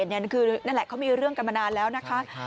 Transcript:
เนี้ยคืนนั่นแหละเค้ามีเรื่องกันมานานแล้วนะคะ